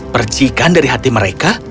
percikan dari hati mereka